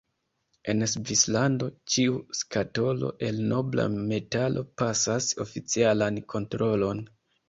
En Svislando, ĉiu skatolo el nobla metalo pasas oficialan kontrolon.